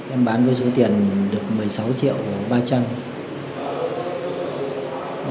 em bán với số tiền được một mươi sáu triệu ba trăm linh